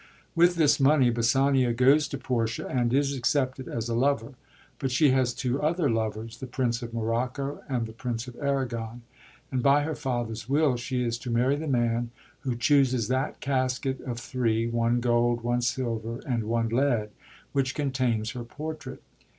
With this money Bassanio goes to Portia, and is accepted as a lover. But she has two other lovers, the Prince of Morocco and the Prince of Arragon ; and by her father's will she is to marry the man who chooses that casket of three ^one gold, one silver, and one lead — which contains her portrait.